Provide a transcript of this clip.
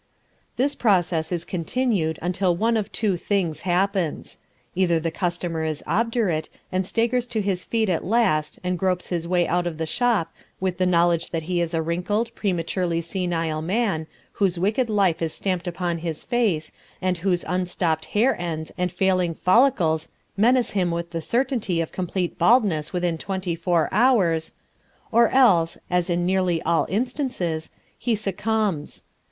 This process is continued until one of two things happens. Either the customer is obdurate, and staggers to his feet at last and gropes his way out of the shop with the knowledge that he is a wrinkled, prematurely senile man, whose wicked life is stamped upon his face, and whose unstopped hair ends and failing follicles menace him with the certainty of complete baldness within twenty four hours or else, as in nearly all instances, he succumbs.